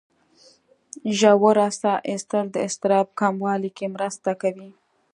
ژوره ساه ایستل د اضطراب کمولو کې مرسته کوي.